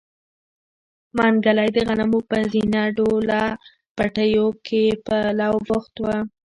منګلی د غنمو په زينه ډوله پټيو کې په لو بوخت و.